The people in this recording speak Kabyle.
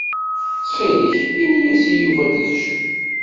Ttxil-k, ini-yas i Yuba ad d-ikcem.